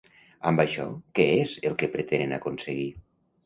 Amb això, què és el que pretenen aconseguir?